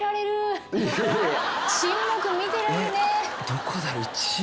どこだろう一番。